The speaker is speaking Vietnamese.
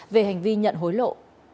về hành vi nhận hối lộ